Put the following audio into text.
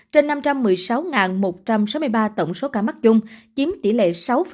trên năm trăm một mươi sáu một trăm sáu mươi ba tổng số ca mắc chung chiếm tỷ lệ sáu